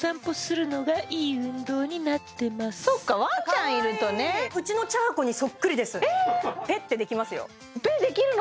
そっかワンちゃんいるとねかわいいうちのちゃーこにそっくりですぺっできるの？